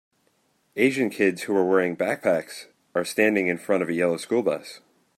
Asian kids who are wearing backpacks are standing in front of a yellow school bus.